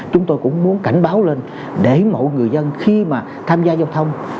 chúng tôi cũng muốn cảnh báo lên để mỗi người dân khi mà tham gia giao thông